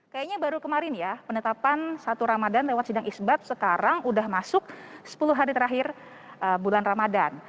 kayaknya baru kemarin ya penetapan satu ramadhan lewat sidang isbat sekarang udah masuk sepuluh hari terakhir bulan ramadan